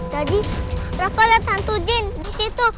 tadi rafa lihat hantu jin disitu